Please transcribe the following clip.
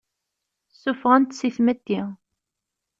Ssufɣen-t si tmetti.